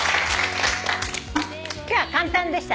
今日は簡単でしたね。